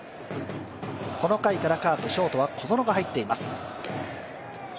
この回からカープ、ショートに小園が入っています。